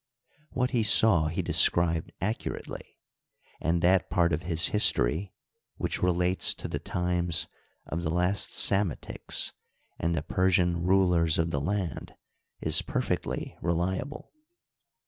What he saw he described accurately, and that part of his history which relates to the times of the last Psametichs and the Persian rulers of the land is per fectly reliable.